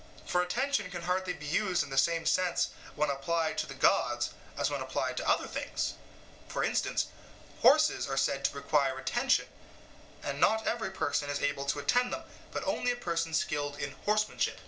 For attention can hardly be used in the same sense when applied to the gods as when applied to other things. For instance, horses are said to require attention, and not every person is able to attend to them, but only a person skilled in horsemanship.